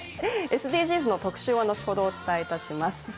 ＳＤＧｓの特集は後ほどお伝えいたします。